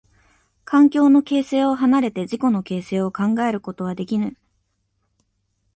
環境の形成を離れて自己の形成を考えることはできぬ。